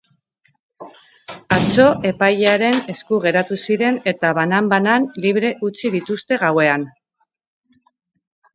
Atzo epailearen esku geratu ziren eta banan-banan libre utzi dituzte gauean.